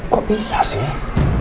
kok bisa sih